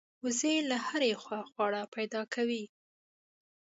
وزې له هرې خوا خواړه پیدا کوي